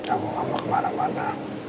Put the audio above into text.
aku gak mau kemana mana